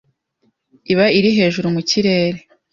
iba iri hejuru mu kirere